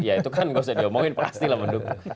ya itu kan gak usah diomongin pasti lah mendukung